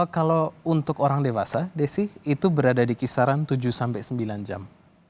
kalau untuk orang dewasa desi itu berada di kisaran tujuh sampai sembilan jam